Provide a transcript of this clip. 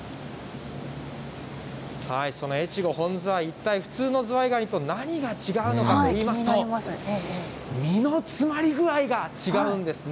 その越後本ズワイ、一体普通のズワイガニと何が違うのかといいますと、身の詰まり具合が違うんですね。